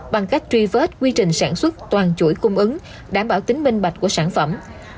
bằng cách truy vết quy trình sản xuất toàn chuỗi cung ứng đảm bảo tính minh bạch của sản phẩm